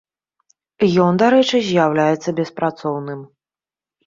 Ён, дарэчы, з'яўляецца беспрацоўным.